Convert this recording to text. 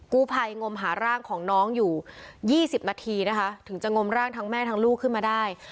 กู้ภัยงมหาร่างของน้องอยู่๒๐นาทีนะคะถึงจะงมร่างทั้งแม่ทั้งลูกขึ้นมาได้